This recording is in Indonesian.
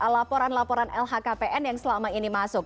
laporan laporan lhkpn yang selama ini masuk